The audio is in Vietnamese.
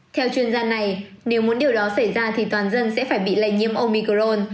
theo chuyên gia này nếu muốn điều đó xảy ra thì toàn dân sẽ phải bị lây nhiễm omicron